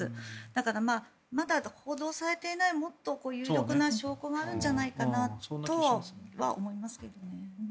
だから、まだ報道されていないもっと有力な情報があるんじゃないかなとは思います。